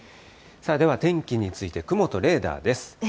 では天気について、雲とレーダーです。